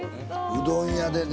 うどん屋でね。